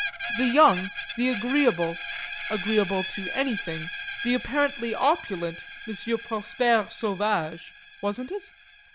The young, the agreeable (agreeable to anything), the apparently opulent M. Prosper Sauvage wasn't it?